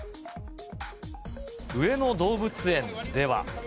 上野動物園では。